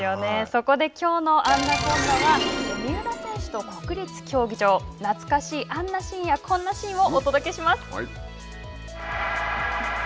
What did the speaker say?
そこできょうの「あんなこんな」は、三浦選手と国立競技場懐かしいあんなシーンやこんなシーンをお届けします。